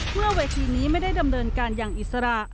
เวทีนี้ไม่ได้ดำเนินการอย่างอิสระ